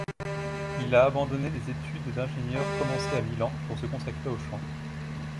Il a abandonné des études d'ingénieur commencées à Milan, pour se consacrer au chant.